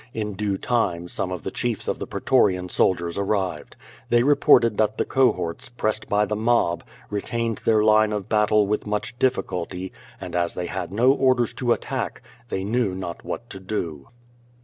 In due time some of the chiefs of the pretorian soldiers arrived. They reported that the cohorts, pressed by the mob, retained their line of battle with much difliculty, and as they had no orders to attack, they knew not what to do.